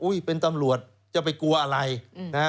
อุ้ยเป็นตำรวจจะไปกลัวอะไรนะ